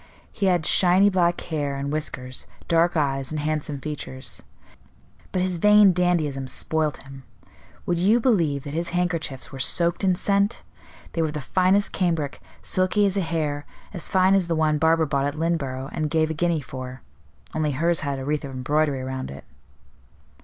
He had shiny black hair and whiskers, dark eyes and handsome features. But his vain dandyism spoilt him; would you believe that his handkerchiefs were soaked in scent? They were of the finest cambric, silky as a hair, as fine as the one Barbara bought at Lynneborough and gave a guinea for; only hers had a wreath of embroidery around it."